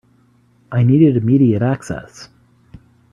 I needed immediate access.